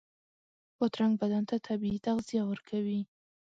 بادرنګ بدن ته طبعي تغذیه ورکوي.